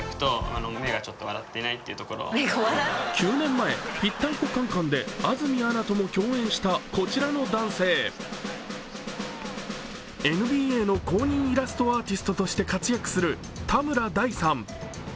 ９年前、「ぴったんこカン・カン」で安住アナとも共演したこちらの男性、ＮＢＡ公認イラストアーティストとして活躍する田村大さん。